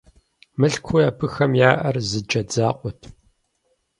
Мылъкууи абыхэм яӀэр зы джэд закъуэт.